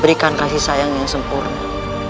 berikan kasih sayang yang sempurna